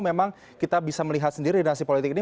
memang kita bisa melihat sendiri dinasi politik ini